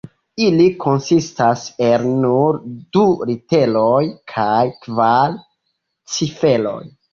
Ili konsistas el nur du literoj kaj kvar ciferoj.